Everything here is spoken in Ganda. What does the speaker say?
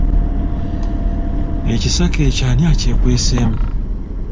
Ekisaka ekyo ani akyekweseemu?